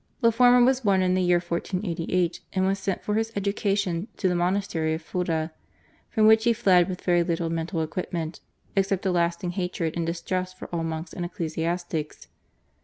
The former was born in the year 1488 and was sent for his education to the monastery of Fulda, from which he fled with very little mental equipment except a lasting hatred and distrust for all monks and ecclesiastics.